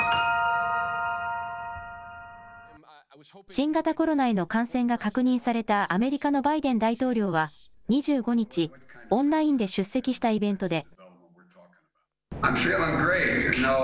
新型コロナへの感染が確認されたアメリカのバイデン大統領は、２５日、オンラインで出席したイベントで。